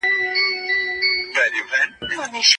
زده کوونکي باید د خپلو حقونو په اړه خبر وي.